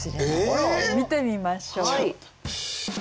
見てみましょう。